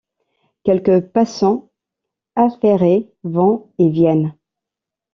Quelques passants affairés vont et viennent.